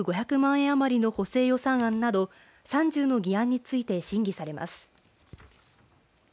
円余りの補正予算案など３０の議案について審議されます。